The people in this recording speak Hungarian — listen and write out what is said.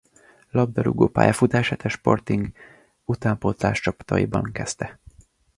Labdarúgó pályafutását a Sporting utánpótláscsapataiban kezdte.